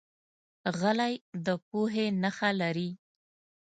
غلی، د پوهې نښه لري.